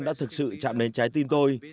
đã thực sự chạm đến trái tim tôi